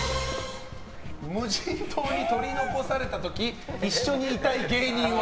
無人島に取り残された時一緒にいたい芸人は？